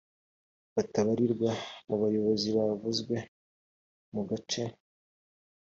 batabarirwa mu bayobozi bavuzwe mu gace